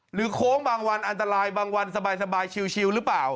โค้งบางวันอันตรายบางวันสบายชิวหรือเปล่า